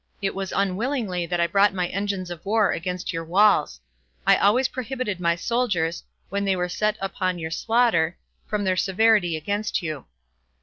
It was unwillingly that I brought my engines of war against your walls; I always prohibited my soldiers, when they were set upon your slaughter, from their severity against you.